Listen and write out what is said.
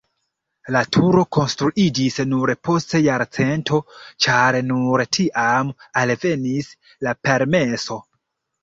La turo konstruiĝis nur post jarcento, ĉar nur tiam alvenis la permeso.